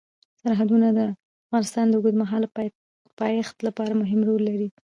سرحدونه د افغانستان د اوږدمهاله پایښت لپاره مهم رول لري.